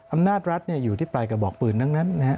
อำนาจรัฐอยู่ที่ปลายกระบอกปืนดังนั้น